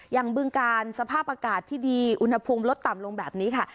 บึงการสภาพอากาศที่ดีอุณหภูมิลดต่ำลงแบบนี้ค่ะ